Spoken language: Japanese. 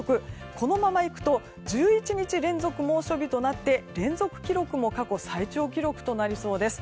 このままいくと１１日連続猛暑日となって連続記録も過去最長記録となりそうです。